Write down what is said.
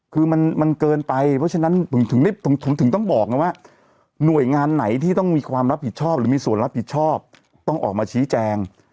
คือมันเกินไปเพราะฉะนั้นถึงต้องบอกไงว่าหน่วยงานไหนที่ต้องมีความรับผิดชอบหรือมีส่วนรับผิดชอบต้องออกมาชี้แจง